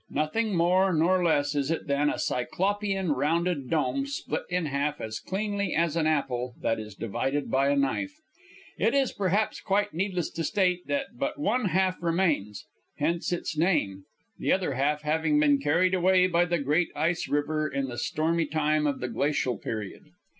Nothing more nor less is it than a cyclopean, rounded dome, split in half as cleanly as an apple that is divided by a knife. It is, perhaps, quite needless to state that but one half remains, hence its name, the other half having been carried away by the great ice river in the stormy time of the Glacial Period.